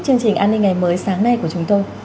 chương trình an ninh ngày mới sáng nay của chúng tôi